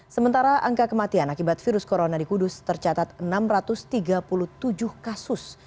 sementara angka kematian akibat virus corona di kudus tercatat enam ratus tiga puluh tujuh kasus